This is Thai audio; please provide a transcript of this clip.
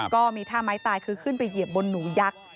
ก็มีท่าไม้ตายคือขึ้นไปเหยียบบนหนูยักษ์